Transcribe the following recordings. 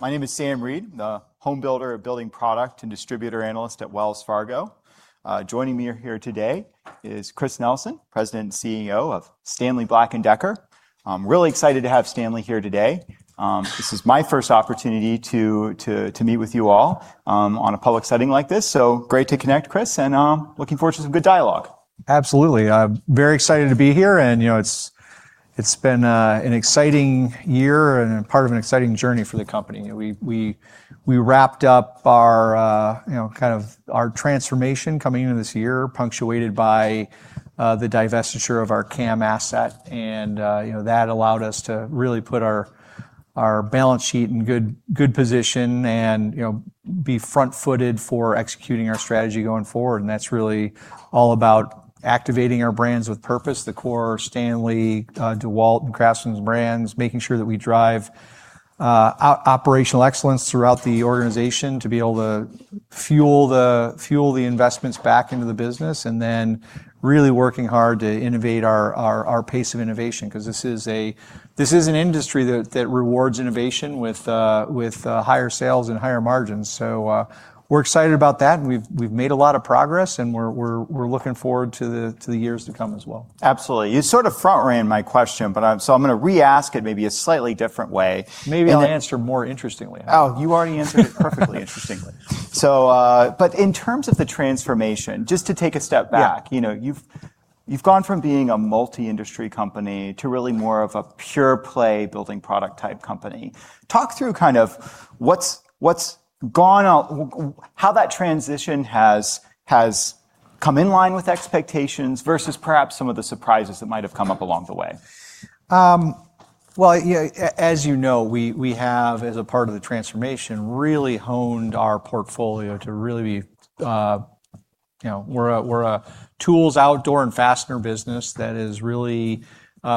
My name is Sam Reid, the Homebuilder, Building Product, and Distributor Analyst at Wells Fargo. Joining me here today is Chris Nelson, President and CEO of Stanley Black & Decker. I'm really excited to have Stanley here today. This is my first opportunity to meet with you all on a public setting like this. Great to connect, Chris, and looking forward to some good dialogue. Absolutely. Very excited to be here, it's been an exciting year and part of an exciting journey for the company. We wrapped up our transformation coming into this year, punctuated by the divestiture of our CAM asset. That allowed us to really put our balance sheet in a good position and be front-footed for executing our strategy going forward. That's really all about activating our brands with purpose, the core STANLEY, DEWALT, and CRAFTSMAN brands, making sure that we drive operational excellence throughout the organization to be able to fuel the investments back into the business, then really working hard to innovate our pace of innovation because this is an industry that rewards innovation with higher sales and higher margins. We're excited about that, we've made a lot of progress, and we're looking forward to the years to come as well. Absolutely. You sort of front-ran my question. I'm going to re-ask it, maybe in a slightly different way. Maybe I'll answer more interestingly. Oh, you already answered it perfectly, interestingly. In terms of the transformation, just to take a step back. Yeah. You've gone from being a multi-industry company to really more of a pure-play building-product-type company. Talk through how that transition has come in line with expectations versus perhaps some of the surprises that might have come up along the way. Well, as you know, we have, as a part of the transformation, really honed our portfolio. We're a tools, outdoor, and fastener business that is really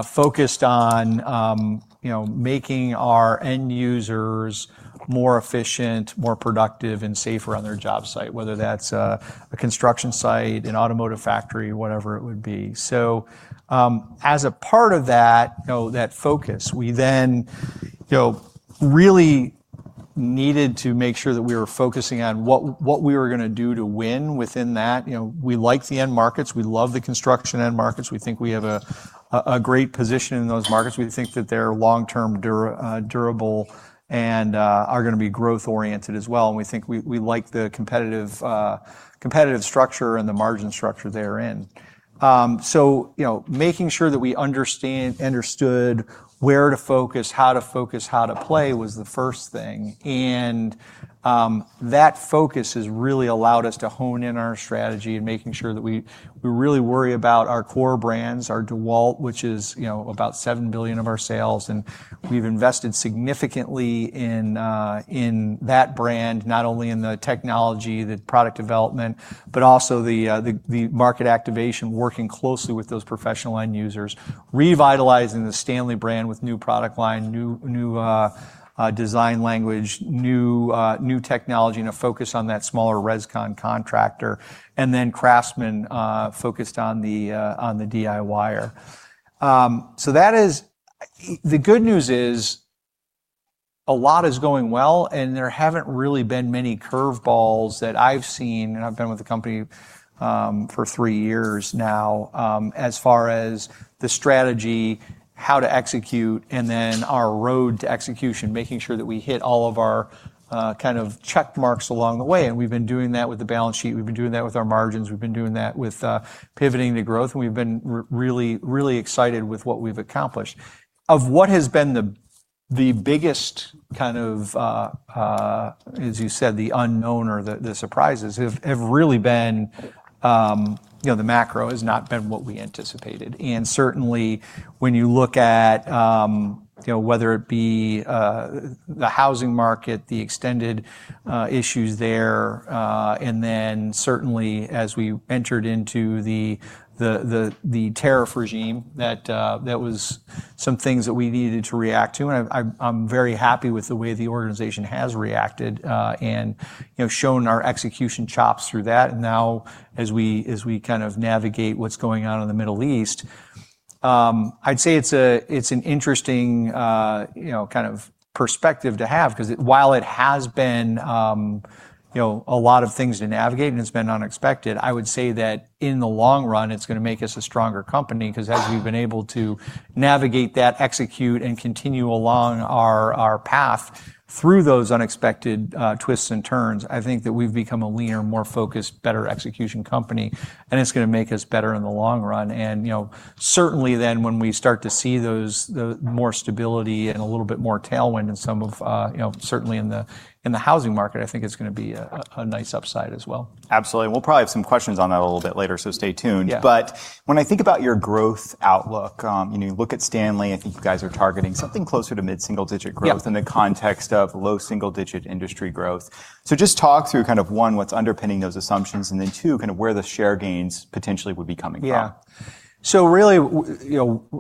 focused on making our end users more efficient, more productive, and safer on their job site, whether that's a construction site, an automotive factory, or whatever it would be. As a part of that focus, we then really needed to make sure that we were focusing on what we were going to do to win within that. We like the end markets. We love the construction end markets. We think we have a great position in those markets. We think that they're long-term durable and are going to be growth-oriented as well. We think we like the competitive structure and the margin structure therein. Making sure that we understood where to focus, how to focus, how to play was the first thing. That focus has really allowed us to hone in our strategy and making sure that we really worry about our core brands, our DEWALT, which is about $7 billion of our sales. We've invested significantly in that brand, not only in the technology, the product development, but also the market activation, working closely with those professional end users, revitalizing the STANLEY brand with a new product line, new design language, new technology, and a focus on that smaller res-con contractor. Then CRAFTSMAN focused on the DIYer. The good news is, a lot is going well, and there haven't really been many curve balls that I've seen, and I've been with the company for three years now, as far as the strategy, how to execute, and then our road to execution, making sure that we hit all of our check marks along the way. We've been doing that with the balance sheet. We've been doing that with our margins. We've been doing that with pivoting to growth. We've been really excited with what we've accomplished. Of what has been the biggest, as you said, the unknown or the surprises, have really been the macro has not been what we anticipated. Certainly, when you look at whether it be the housing market, the extended issues there, and then certainly as we entered into the tariff regime, that was some things that we needed to react to. I'm very happy with the way the organization has reacted and shown our execution chops through that. Now as we kind of navigate what's going on in the Middle East, I'd say it's an interesting kind of perspective to have because while it has been a lot of things to navigate and it's been unexpected, I would say that in the long run, it's going to make us a stronger company because as we've been able to navigate that, execute, and continue along our path through those unexpected twists and turns, I think that we've become a leaner, more focused, better execution company, and it's going to make us better in the long run. Certainly, then when we start to see more stability and a little bit more tailwind in the housing market, I think it's going to be a nice upside as well. Absolutely. We'll probably have some questions on that a little bit later, so stay tuned. Yeah. When I think about your growth outlook, you look at Stanley, I think you guys are targeting something closer to mid-single-digit growth. Yeah. In the context of low single-digit industry growth. Just talk through kind of one, what's underpinning those assumptions, and then two, kind of where the share gains potentially would be coming from. Really,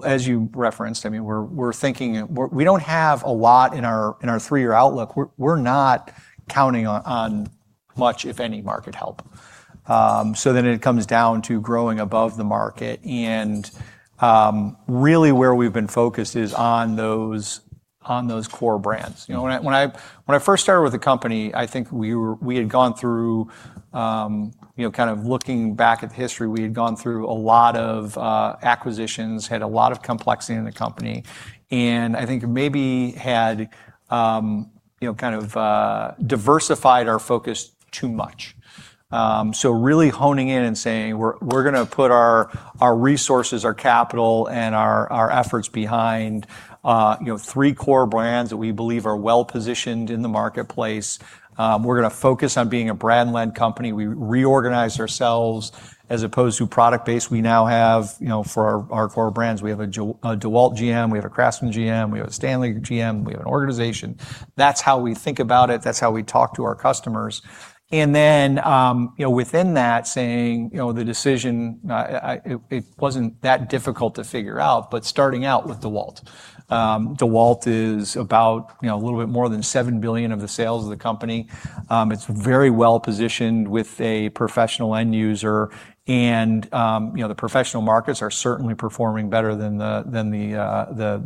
as you referenced, we don't have a lot in our three-year outlook. We're not counting on much, if any, market help. Then it comes down to growing above the market, and really, where we've been focused is on those core brands. When I first started with the company, I think kind of looking back at the history, we had gone through a lot of acquisitions, had a lot of complexity in the company, and I think maybe had kind of diversified our focus too much. Really honing in and saying, "We're going to put our resources, our capital, and our efforts behind three core brands that we believe are well-positioned in the marketplace. We're going to focus on being a brand-led company." We reorganized ourselves as opposed to product-based. We now have, for our core brands, we have a DEWALT GM, we have a CRAFTSMAN GM, we have a STANLEY GM. We have an organization. That's how we think about it. That's how we talk to our customers. Then, within that, saying, the decision, it wasn't that difficult to figure out, starting out with DEWALT. DEWALT is about a little bit more than $7 billion of the sales of the company. It's very well-positioned with a professional end user. The professional markets are certainly performing better than the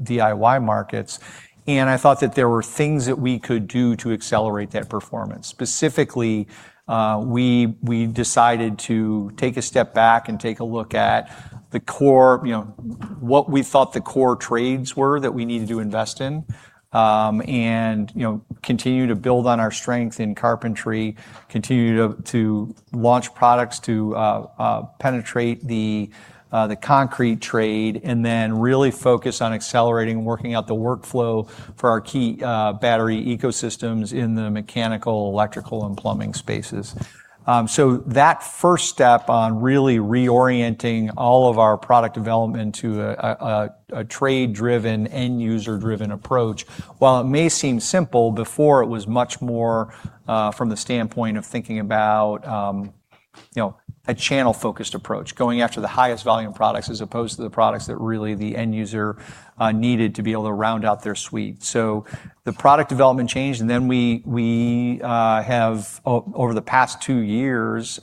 DIY markets. I thought that there were things that we could do to accelerate that performance. Specifically, we decided to take a step back and take a look at what we thought the core trades were that we needed to invest in. Continue to build on our strength in carpentry, continue to launch products to penetrate the concrete trade, then really focus on accelerating and working out the workflow for our key battery ecosystems in the mechanical, electrical, and plumbing spaces. That first step on really reorienting all of our product development to a trade-driven, end user-driven approach, while it may seem simple, before it was much more from the standpoint of thinking about a channel-focused approach, going after the highest volume products as opposed to the products that really the end user needed to be able to round out their suite. The product development changed, then we have, over the past two years,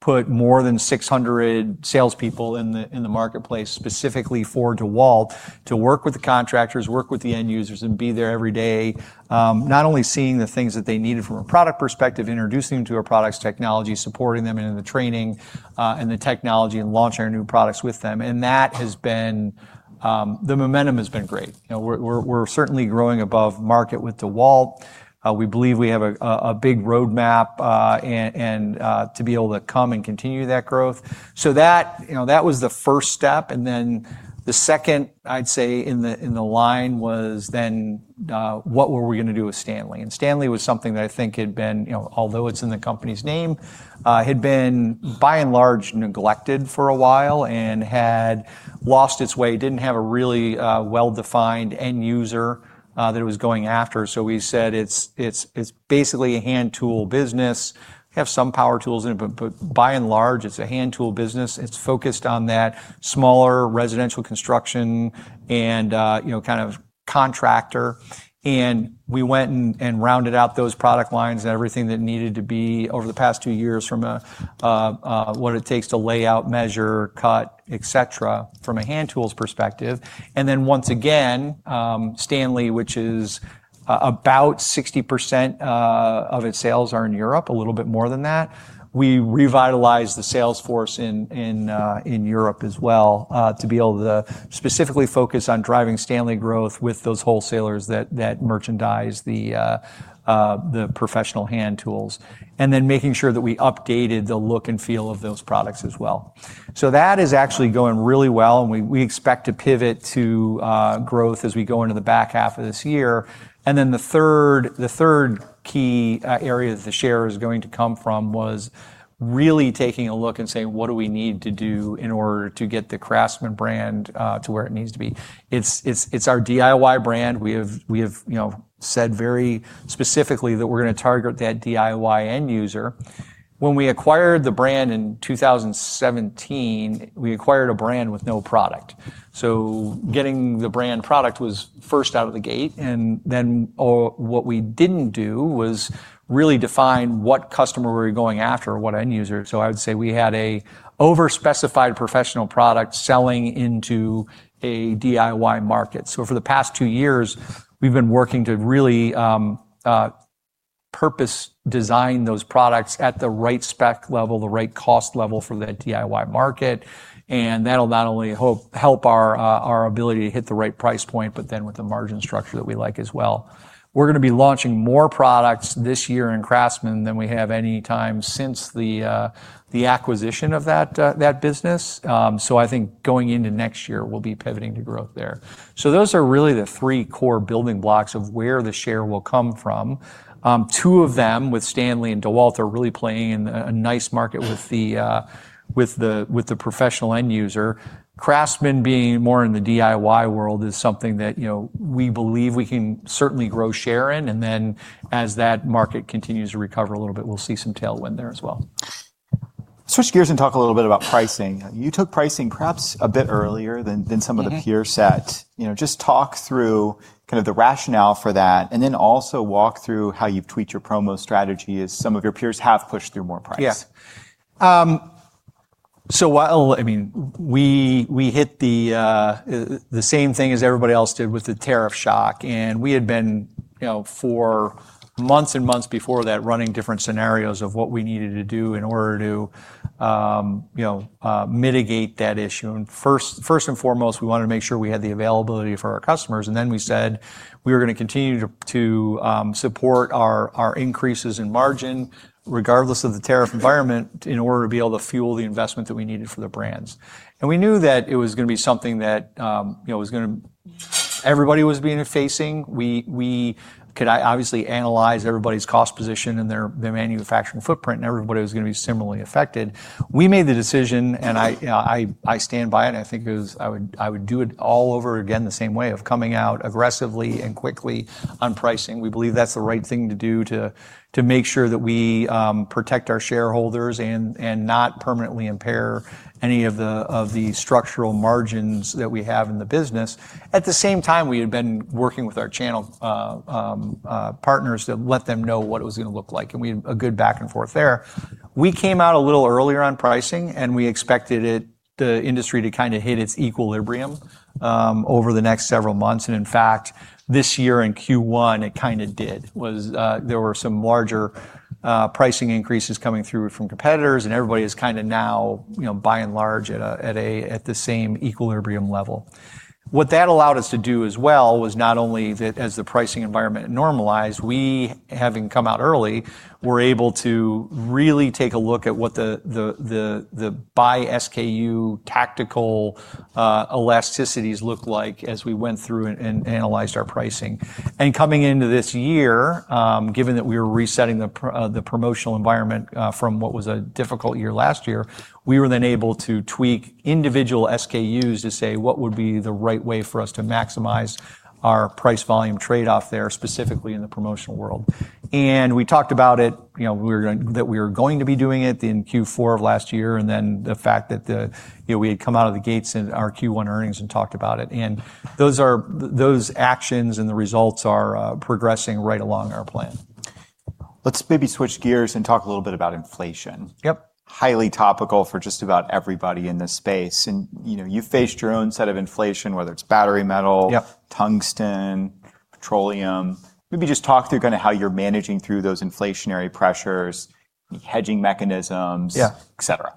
put more than 600 salespeople in the marketplace specifically for DEWALT to work with the contractors, work with the end users, and be there every day. Not only seeing the things that they needed from a product perspective, introducing them to our products, technology, supporting them in the training and the technology, and launching our new products with them. The momentum has been great. We're certainly growing above market with DEWALT. We believe we have a big roadmap, and to be able to come and continue that growth. That was the first step, then the second, I'd say, in the line was, then what were we going to do with STANLEY? STANLEY was something that I think had been, although it's in the company's name, had been by and large neglected for a while, and had lost its way. Didn't have a really well-defined end user that it was going after. We said it's basically a hand tool business, have some power tools in it, but by and large, it's a hand tool business. It's focused on that smaller residential construction and kind of contractor. We went and rounded out those product lines and everything that needed to be over the past two years, from what it takes to lay out, measure, cut, et cetera, from a hand tools perspective. Then once again, STANLEY, which is about 60% of its sales are in Europe, a little bit more than that. We revitalized the sales force in Europe as well to be able to specifically focus on driving STANLEY growth with those wholesalers that merchandise the professional hand tools. Then making sure that we updated the look and feel of those products as well. That is actually going really well, and we expect to pivot to growth as we go into the back half of this year. The third key area that the share is going to come from was really taking a look and saying, what do we need to do in order to get the CRAFTSMAN brand to where it needs to be? It's our DIY brand. We have said very specifically that we're going to target that DIY end user. When we acquired the brand in 2017, we acquired a brand with no product. Getting the brand product was first out of the gate, then what we didn't do was really define what customer we were going after or what end user. I would say we had an overspecified professional product selling into a DIY market. For the past two years, we've been working to really purpose design those products at the right spec level, the right cost level for the DIY market, and that'll not only help our ability to hit the right price point, but then with the margin structure that we like as well. We're going to be launching more products this year in CRAFTSMAN than we have at any time since the acquisition of that business. I think going into next year, we'll be pivoting to growth there. Those are really the three core building blocks of where the share will come from. Two of them, with STANLEY and DEWALT, are really playing in a nice market with the professional end user. CRAFTSMAN, being more in the DIY world, is something that we believe we can certainly grow and share in. As that market continues to recover a little bit, we'll see some tailwind there as well. Switch gears and talk a little bit about pricing. You took pricing perhaps a bit earlier than some of- The peer set. Just talk through kind of the rationale for that, also walk through how you've tweaked your promo strategy, as some of your peers have pushed through more price. I mean, we hit the same thing as everybody else did with the tariff shock; we had been, for months and months before that, running different scenarios of what we needed to do in order to mitigate that issue. First and foremost, we wanted to make sure we had the availability for our customers. Then we said we were going to continue to support our increases in margin regardless of the tariff environment in order to be able to fuel the investment that we needed for the brands. We knew that it was going to be something that everybody was going to be facing. We could obviously analyze everybody's cost position and their manufacturing footprint, and everybody was going to be similarly affected. We made the decision, and I stand by it. I think I would do it all over again the same way, of coming out aggressively and quickly on pricing. We believe that's the right thing to do to make sure that we protect our shareholders and not permanently impair any of the structural margins that we have in the business. At the same time, we had been working with our channel partners to let them know what it was going to look like, and we had a good back and forth there. We came out a little earlier on pricing. We expected the industry to kind of hit its equilibrium over the next several months, and in fact, this year in Q1, it kind of did. There were some larger pricing increases coming through from competitors, and everybody is kind of now, by and large, at the same equilibrium level. What that allowed us to do as well was not only that, as the pricing environment normalized, we, having come out early, were able to really take a look at what the by-SKU tactical elasticities looked like as we went through and analyzed our pricing. Coming into this year, given that we were resetting the promotional environment from what was a difficult year last year, we were then able to tweak individual SKUs to say what would be the right way for us to maximize our price-volume trade-off there, specifically in the promotional world. We talked about that we were going to be doing it in Q4 of last year, and then the fact that we had come out of the gates in our Q1 earnings, and talked about it. Those actions and the results are progressing right along our plan. Let's maybe switch gears and talk a little bit about inflation. Yep. Highly topical for just about everybody in this space. You've faced your own set of inflation, whether it's battery metal, Yep. Tungsten, petroleum. Maybe just talk through kind of how you're managing through those inflationary pressures, hedging mechanisms, Yeah. et cetera.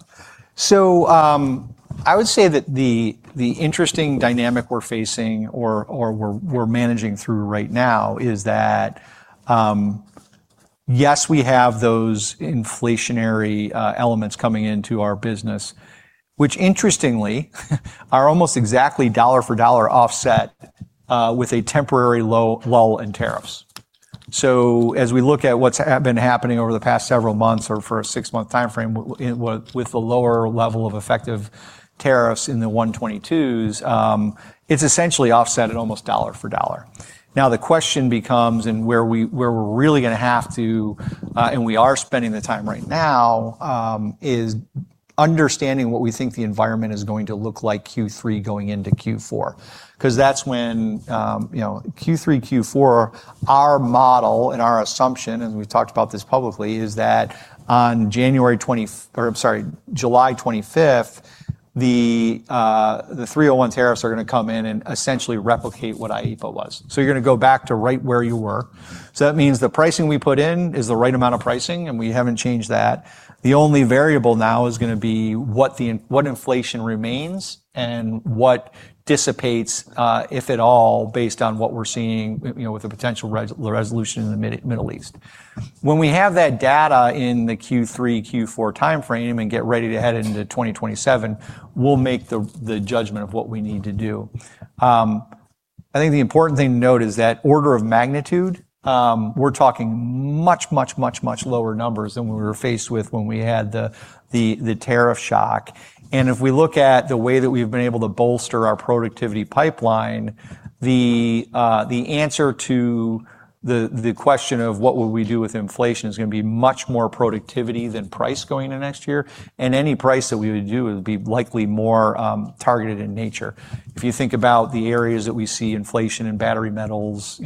I would say that the interesting dynamic we're facing or we're managing through right now is that, yes, we have those inflationary elements coming into our business, which interestingly are almost exactly dollar-for-dollar offset with a temporary lull in tariffs. As we look at what's been happening over the past several months or for a six-month timeframe with the lower level of effective tariffs in the 122s, it's essentially offset at almost dollar-for-dollar. The question becomes, and where we're really going to have to, and we are spending the time right now, is understanding what we think the environment is going to look like Q3 going into Q4. That's when, Q3, Q4, our model and our assumption, and we've talked about this publicly, is that on July 25th, the 301 tariffs are going to come in and essentially replicate what [IFO] was. You're going to go back to right where you were. That means the pricing we put in is the right amount of pricing, and we haven't changed that. The only variable now is going to be what inflation remains and what dissipates, if at all, based on what we're seeing with a potential resolution in the Middle East. When we have that data in the Q3/Q4 timeframe and get ready to head into 2027, we'll make the judgment of what we need to do. I think the important thing to note is that order of magnitude, we're talking much, much, much, much lower numbers than we were faced with when we had the tariff shock. If we look at the way that we've been able to bolster our productivity pipeline, the answer to the question of what we would do with inflation is going to be much more productivity than price going into next year. Any price that we would do would be likely more targeted in nature. If you think about the areas that we see inflation in battery metals,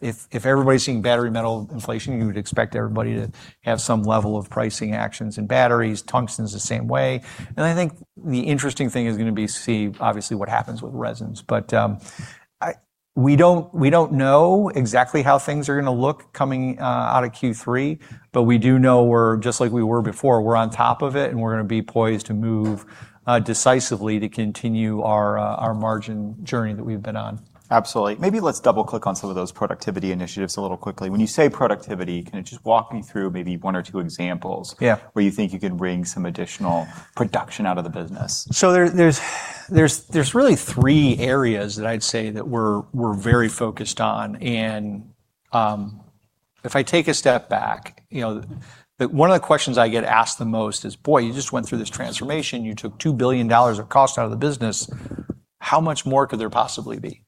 if everybody's seeing battery metal inflation, you would expect everybody to have some level of pricing actions in batteries. Tungsten's the same way. I think the interesting thing is going to be, see, obviously, what happens with resins. We don't know exactly how things are going to look coming out of Q3, but we do know we're just like we were before. We're on top of it, and we're going to be poised to move decisively to continue our margin journey that we've been on. Absolutely. Maybe let's double-click on some of those productivity initiatives a little quickly. When you say productivity, kind of just walk me through maybe one or two examples. Yeah. Where do you think you could wring some additional production out of the business? There's really three areas that I'd say that we're very focused on, and if I take a step back, one of the questions I get asked the most is, "Boy, you just went through this transformation. You took $2 billion of costs out of the business. How much more could there possibly be?"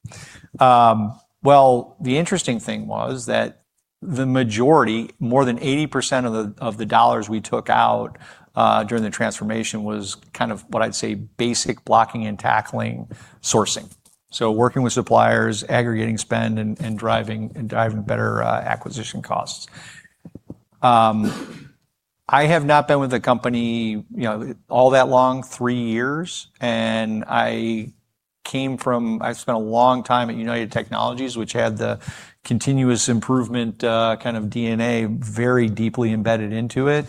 Well, the interesting thing was that the majority, more than 80% of the dollars we took out during the transformation, was kind of what I'd say basic blocking and tackling sourcing. Working with suppliers, aggregating spend, and driving better acquisition costs. I have not been with the company all that long, three years, and I spent a long time at United Technologies, which had the continuous improvement kind of DNA very deeply embedded into it.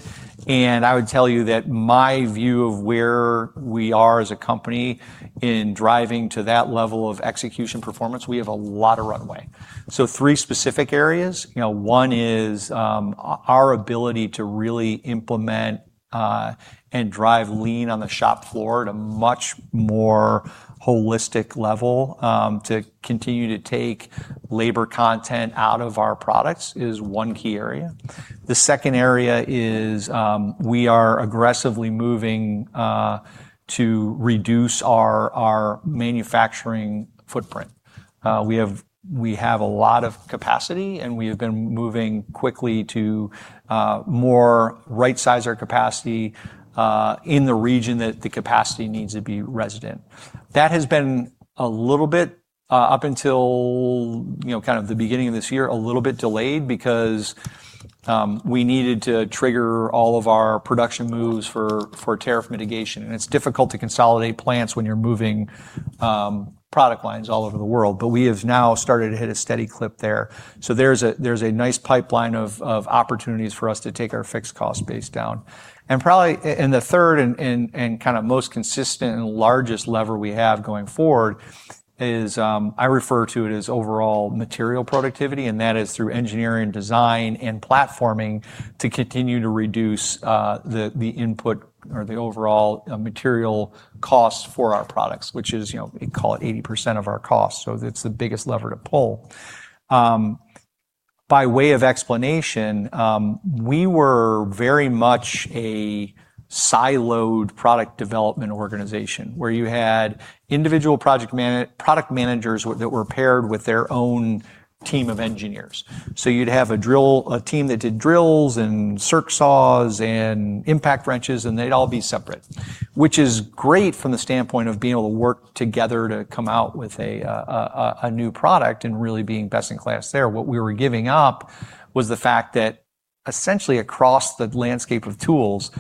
I would tell you that my view of where we are as a company in driving to that level of execution performance, we have a lot of runway. Three specific areas. One is our ability to really implement and drive lean on the shop floor at a much more holistic level, to continue to take labor content out of our products, is one key area. The second area is we are aggressively moving to reduce our manufacturing footprint. We have a lot of capacity, and we have been moving quickly to more right-size our capacity in the region that the capacity needs to be resident. That has been a little bit up until kind of the beginning of this year, a little bit delayed because we needed to trigger all of our production moves for tariff mitigation. It's difficult to consolidate plants when you're moving product lines all over the world. We have now started to hit a steady clip there. There's a nice pipeline of opportunities for us to take our fixed cost base down. The third and kind of most consistent and largest lever we have going forward is, I refer to it as overall material productivity, and that is through engineering, design, and platforming to continue to reduce the input or the overall material costs for our products. We call it 80% of our cost. It's the biggest lever to pull. By way of explanation, we were very much a siloed product development organization, where you had individual product managers who were paired with their own team of Engineers. You'd have a team that did drills and circ saws and impact wrenches, and they'd all be separate. It's great from the standpoint of being able to work together to come out with a new product and really being best in class there. What we were giving up was the fact that essentially across the landscape of tools,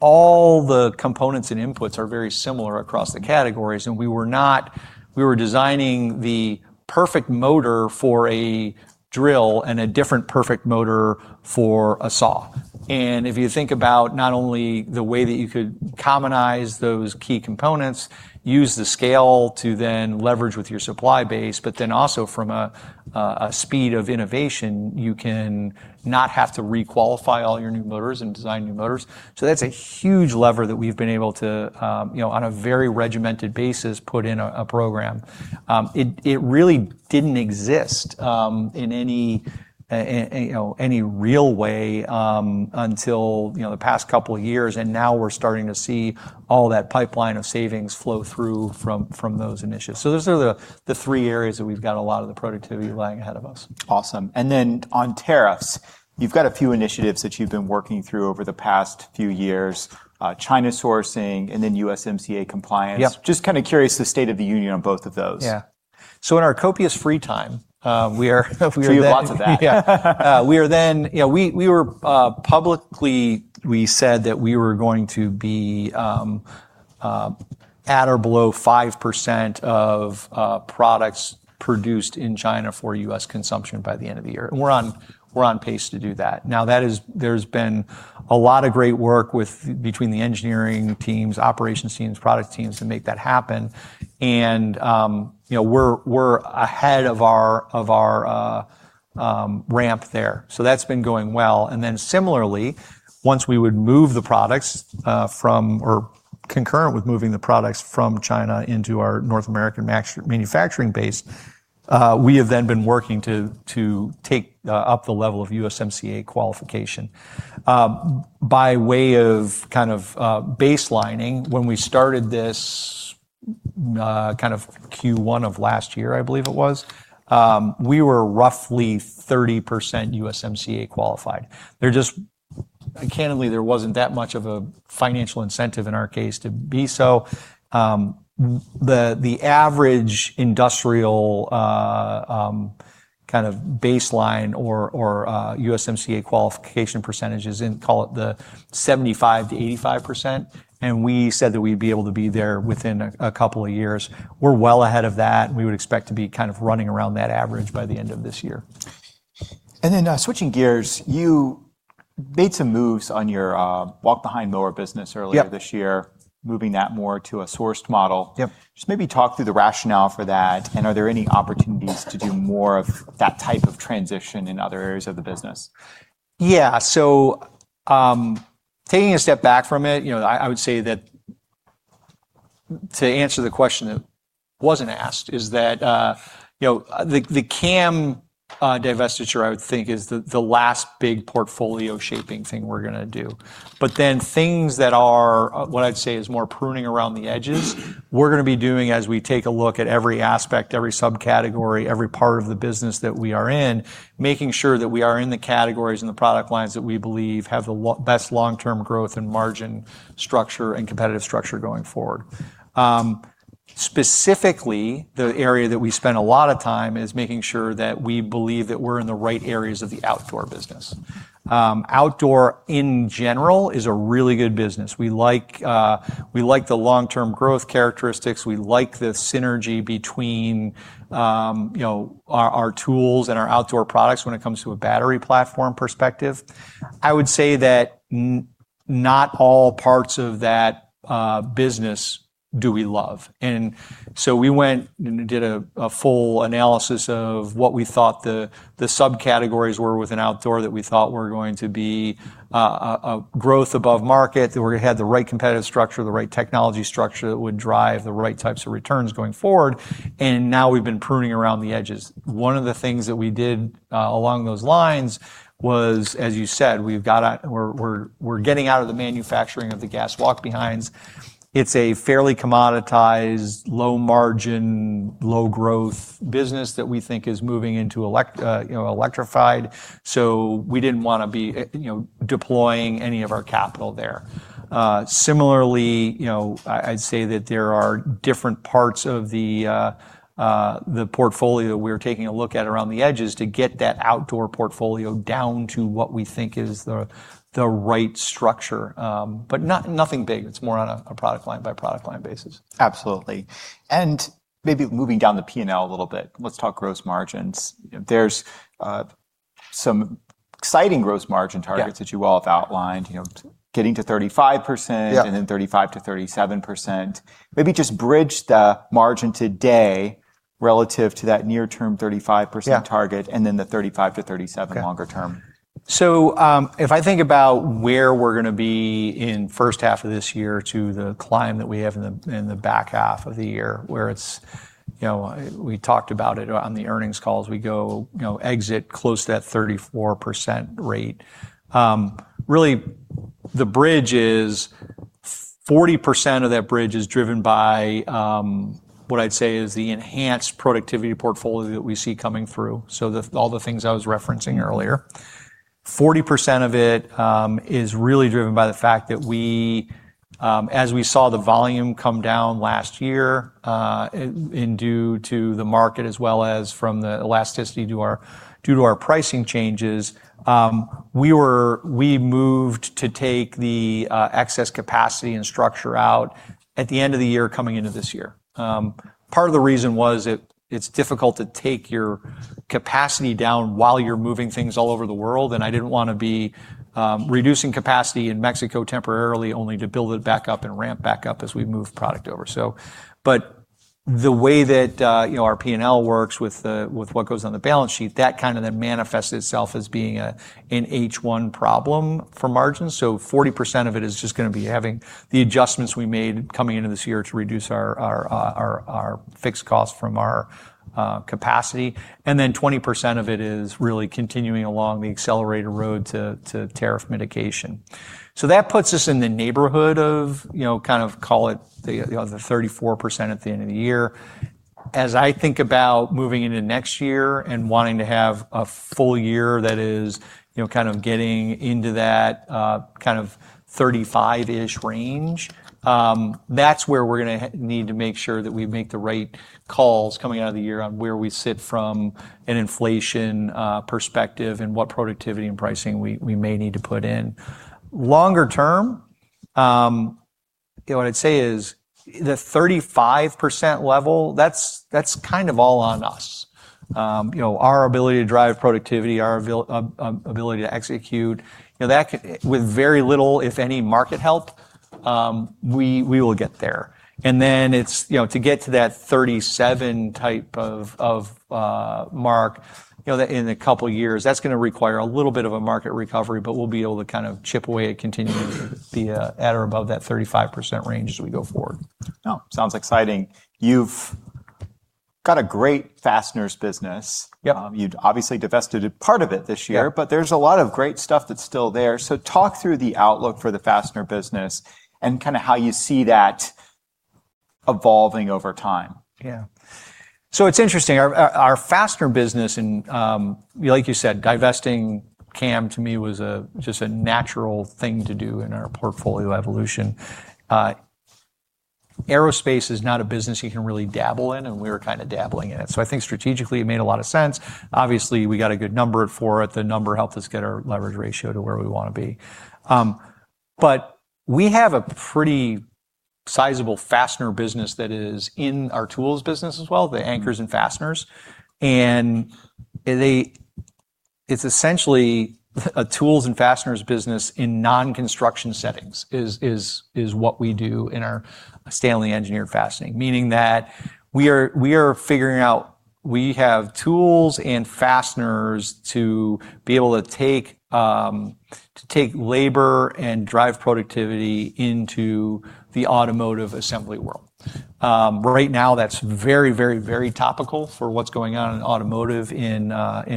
all the components and inputs are very similar across the categories, and we were designing the perfect motor for a drill and a different perfect motor for a saw. If you think about not only the way that you could commonize those key components, use the scale to then leverage with your supply base, but then also from a speed of innovation, you cannot have to re-qualify all your new motors and design new motors. That's a huge lever that we've been able to put in a program on a very regimented basis. It really didn't exist in any real way until the past couple of years, and now we're starting to see all that pipeline of savings flow through from those initiatives. Those are the three areas that we've got a lot of productivity lying ahead of us. Awesome. On tariffs, you've got a few initiatives that you've been working through over the past few years, China sourcing and USMCA compliance. Yep. Just kind of curious the state of the union on both of those. Yeah. In our copious free time, Sure, you have lots of that. Yeah. Publicly, we said that we were going to be at or below 5% of products produced in China for U.S. consumption by the end of the year. We're on pace to do that. There's been a lot of great work between the engineering teams, operations teams, and product teams to make that happen, and we're ahead of our ramp there. That's been going well. Similarly, once we would move the products from, or concurrent with moving the products from China into our North American manufacturing base, we have then been working to take up the level of USMCA qualification. By way of kind of baselining, when we started this kind of Q1 of last year, I believe it was, we were roughly 30% USMCA-qualified. Candidly, there wasn't that much of a financial incentive in our case to be so. The average industrial kind of baseline or USMCA qualification percentage is in, call it, the 75%-85%, and we said that we'd be able to be there within a couple of years. We're well ahead of that, and we would expect to be kind of running around that average by the end of this year. Switching gears, you made some moves on your walk-behind mower business earlier- Yep. This year, moving that more to a sourced model. Yep. Just maybe talk through the rationale for that, and are there any opportunities to do more of that type of transition in other areas of the business? Yeah. Taking a step back from it, I would say that to answer the question that wasn't asked is that the CAM divestiture, I would think, is the last big portfolio-shaping thing we're going to do. Things that are, what I'd say is more pruning around the edges, we're going to be doing as we take a look at every aspect, every subcategory, every part of the business that we are in, making sure that we are in the categories and the product lines that we believe have the best long-term growth, and margin structure, and competitive structure going forward. Specifically, the area that we spend a lot of time is making sure that we believe that we're in the right areas of the outdoor business. Outdoor, in general, is a really good business. We like the long-term growth characteristics. We like the synergy between our tools and our outdoor products when it comes to a battery platform perspective. I would say that not all parts of that business do we love. We went and did a full analysis of what we thought the subcategories were within outdoor that we thought were going to be a growth above market, that had the right competitive structure, the right technology structure that would drive the right types of returns going forward, and now we've been pruning around the edges. One of the things that we did along those lines was, as you said, we're getting out of the manufacturing of the gas walk-behinds. It's a fairly commoditized, low-margin, low-growth business that we think is moving into electrified, so we didn't want to be deploying any of our capital there. Similarly, I'd say that there are different parts of the portfolio we're taking a look at around the edges to get that outdoor portfolio down to what we think is the right structure. Nothing big. It's more on a product line-by-product line basis. Absolutely. Maybe moving down the P&L a little bit, let's talk gross margins. There's some exciting gross margin targets. Yeah. That you all have outlined. Getting to 35% Yeah. 35%-37%. Maybe just bridge the margin today relative to that near term 35% target. Yeah. The 35%-37% longer term. If I think about where we're going to be in the first half of this year, to the climb that we have in the back half of the year, we talked about it on the earnings call, as we go exit close to that 34% rate. Really, 40% of that bridge is driven by what I'd say is the enhanced productivity portfolio that we see coming through, so all the things I was referencing earlier. 40% of it is really driven by the fact that, as we saw the volume come down last year, and due to the market as well as from the elasticity due to our pricing changes, we moved to take the excess capacity and structure out at the end of the year, coming into this year. Part of the reason was it's difficult to take your capacity down while you're moving things all over the world, and I didn't want to be reducing capacity in Mexico temporarily, only to build it back up and ramp back up as we move product over. The way that our P&L works with what goes on the balance sheet, that kind of then manifests itself as being an H1 problem for margins. 40% of it is just going to be having the adjustments we made coming into this year to reduce our fixed cost from our capacity, and then 20% of it is really continuing along the accelerated road to tariff mitigation. That puts us in the neighborhood of kind of call it the 34% at the end of the year. As I think about moving into next year and wanting to have a full year that is kind of getting into that kind of 35-ish range, that's where we're going to need to make sure that we make the right calls coming out of the year on where we sit from an inflation perspective and what productivity and pricing we may need to put in. Longer term, what I'd say is the 35% level, that's kind of all on us. Our ability to drive productivity, our ability to execute, with very little, if any, market help, we will get there. To get to that 37% type of mark in a couple of years, that's going to require a little bit of a market recovery, but we'll be able to kind of chip away at continuing to be at or above that 35% range as we go forward. Sounds exciting. You've got a great fastener business. Yep. You'd obviously divested a part of it this year. Yeah. There's a lot of great stuff that's still there. Talk through the outlook for the fastener business and kind of how you see that evolving over time. Yeah. It's interesting. Our fastener business and, like you said, divesting CAM to me was just a natural thing to do in our portfolio evolution. Aerospace is not a business you can really dabble in, and we were kind of dabbling in it. I think strategically it made a lot of sense. Obviously, we got a good number for it. The number helped us get our leverage ratio to where we want to be. We have a pretty sizable fastener business that is in our tools business as well, the anchors and fasteners, and it's essentially a tools and fasteners business in non-construction settings is what we do in our STANLEY Engineered Fastening. Meaning that we are figuring out. We have tools and fasteners to be able to take labor and drive productivity into the automotive assembly world. Right now, that's very topical for what's going on in automotive in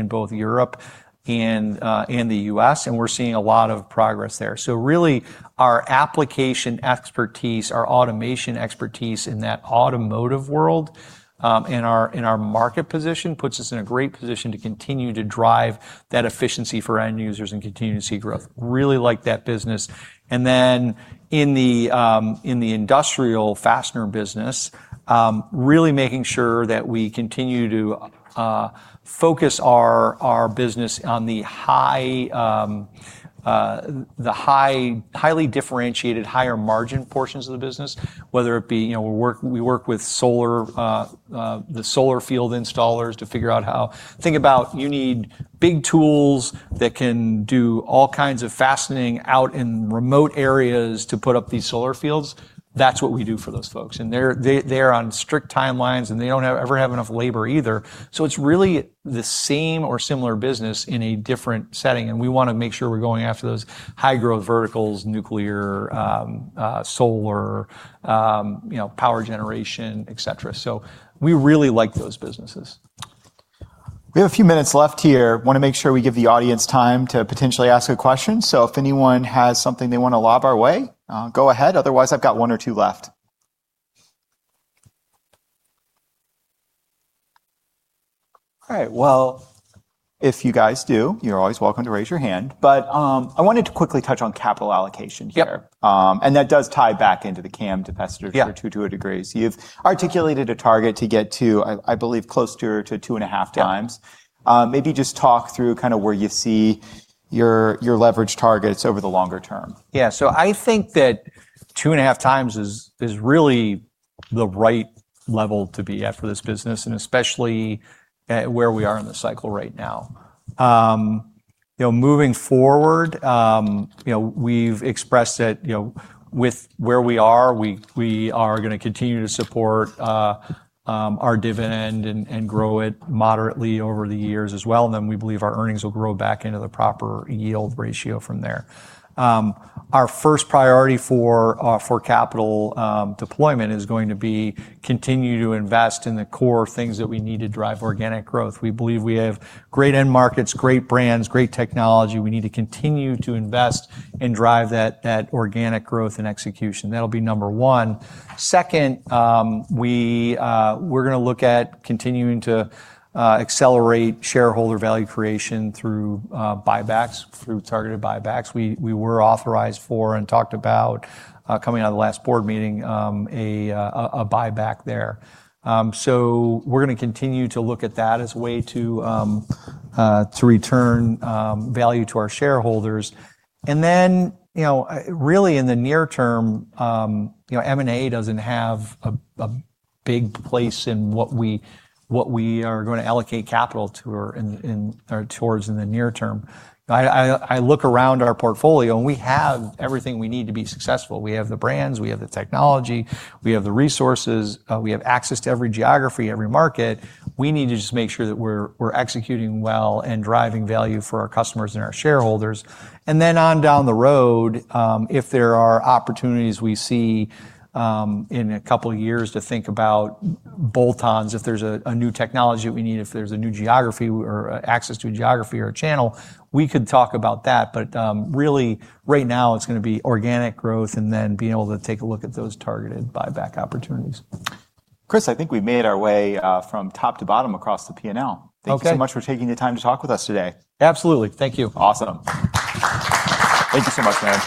both Europe and in the U.S., and we're seeing a lot of progress there. Really, our application expertise, our automation expertise in that automotive world, and our market position put us in a great position to continue to drive that efficiency for end users and continue to see growth. Really like that business. Then in the industrial fastener business, really making sure that we continue to focus our business on the highly differentiated, higher margin portions of the business, whether it be, we work with the solar field installers to figure out how. Think about you need big tools that can do all kinds of fastening out in remote areas to put up these solar fields. That's what we do for those folks, and they're on strict timelines, and they don't ever have enough labor either. It's really the same or similar business in a different setting, and we want to make sure we're going after those high-growth verticals, nuclear, solar, power generation, et cetera. We really like those businesses. We have a few minutes left here. Want to make sure we give the audience time to potentially ask a question. If anyone has something they want to lob our way, go ahead. Otherwise, I've got one or two left. All right. Well, if you guys do, you're always welcome to raise your hand. I wanted to quickly touch on capital allocation here. Yep. That does tie back into the CAM divestiture, too. Yeah. To a degree. You've articulated a target to get to, I believe, close to 2.5x. Yeah. Maybe just talk through kind of where you see your leverage targets over the longer term. Yeah. I think that 2.5x is really the right level to be at for this business, and especially where we are in the cycle right now. Moving forward, we've expressed that with where we are, we are going to continue to support our dividend and grow it moderately over the years as well. We believe our earnings will grow back into the proper yield ratio from there. Our first priority for capital deployment is going to be to continue to invest in the core things that we need to drive organic growth. We believe we have great end markets, great brands, great technology. We need to continue to invest and drive that organic growth and execution. That'll be number one. Second, we're going to look at continuing to accelerate shareholder value creation through buybacks, through targeted buybacks. We were authorized for and talked about, coming out of the last board meeting, a buyback there. We're going to continue to look at that as a way to return value to our shareholders. Really, in the near term, M&A doesn't have a big place in what we are going to allocate capital towards in the near term. I look around our portfolio, we have everything we need to be successful. We have the brands, we have the technology, we have the resources, we have access to every geography, every market. We need to just make sure that we're executing well and driving value for our customers and our shareholders. On down the road, if there are opportunities we see in a couple of years to think about bolt-ons, if there's a new technology that we need, if there's a new geography or access to a geography or a channel, we could talk about that. Really, right now it's going to be organic growth, being able to take a look at those targeted buyback opportunities. Chris, I think we've made our way from top to bottom across the P&L. Okay. Thank you so much for taking the time to talk with us today. Absolutely. Thank you. Awesome. Thank you so much, man.